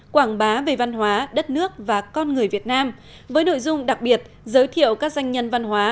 quảng bá về văn hóa đất nước và con người việt nam với nội dung đặc biệt giới thiệu các danh nhân văn hóa